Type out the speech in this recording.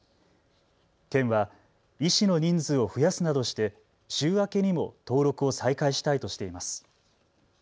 県は医師の人数を増やすなどして週明けにも登録を再開したいとしています。